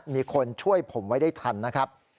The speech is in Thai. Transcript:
มีคนช่วยผมไว้ได้ทันนะครับ